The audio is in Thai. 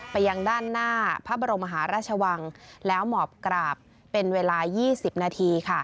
ไปยังด้านหน้าพระบรมหาราชวังแล้วหมอบกราบเป็นเวลา๒๐นาทีค่ะ